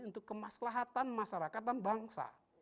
untuk kemaslahatan masyarakat dan bangsa